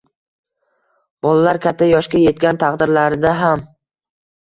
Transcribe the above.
Bolalar katta yoshga yetgan taqdirlarida ham